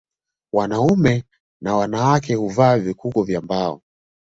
Wanaume na wanawake huvaa vikuku vya mbao